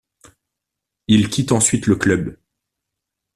Il quitte ensuite le club.